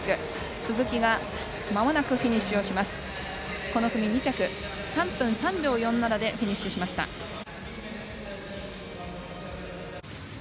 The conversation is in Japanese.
鈴木が、この組２着３分３秒４７でフィニッシュしました。